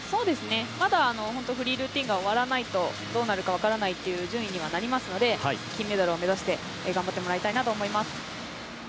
まだフリールーティンが終わらないとどうなるか分からないという順位にはなりますので金メダルを目指して頑張ってもらいたいなと思います。